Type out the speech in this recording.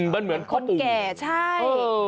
มันเหมือนคนแก่ใช่